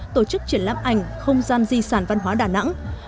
tổ chức triển lãm ảnh không gian di sản văn hóa đà nẵng